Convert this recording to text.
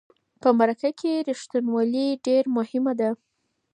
په مرکه کې رښتینولي ډیره مهمه ده.